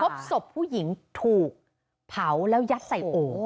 พบศพผู้หญิงถูกเผาแล้วยัดใส่โอ